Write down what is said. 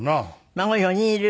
孫４人いる？